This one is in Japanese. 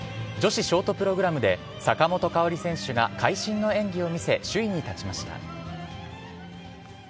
女子ショートプログラムで坂本花織選手が会心の演技を見せ首位に立ちました。